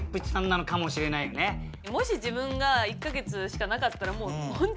もし自分が１か月しかなかったらうん。